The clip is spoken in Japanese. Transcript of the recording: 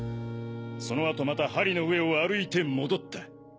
そのあとまた針の上を歩いて戻った。